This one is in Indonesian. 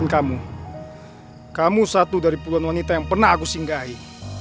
kamu kamu satu dari puluhan wanita yang pernah aku singgahi